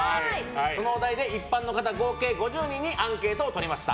そのお題で一般の方合計５０人にアンケートを取りました。